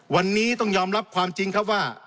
วันนี้ต้องยอมรับความจริงครับว่า